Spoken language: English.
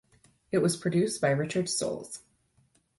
It was produced by Richard Stolz.